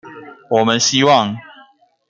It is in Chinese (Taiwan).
我們希望